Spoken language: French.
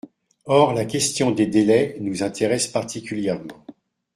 Or la question des délais nous intéresse particulièrement.